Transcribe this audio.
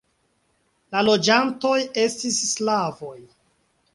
La loĝantoj estis slavoj.